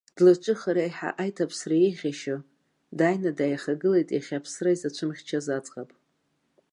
Длырҿыхар аиҳа аиҭаԥсра еиӷьашьо, дааины дааихагылеит иахьа аԥсра изацәымхьчаз аӡӷаб.